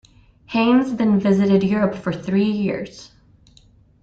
Haines then visited Europe for three years.